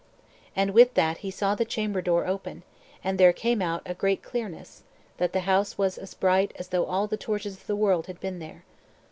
And with that he saw the chamber door open, and there came out a great clearness, that the house was as bright as though all the torches of the world had been there.